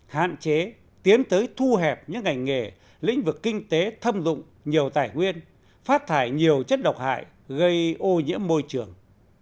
hạn chế tiến tới thu hẹp những ngành nghề lĩnh vực kinh tế thâm dụng nhiều tài nguyên phát thải nhiều chất độc hại gây ô nhiễm môi trường